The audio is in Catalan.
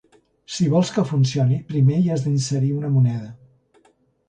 Si vols que funcioni, primer hi has d'inserir una moneda.